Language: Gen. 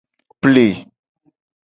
Ple.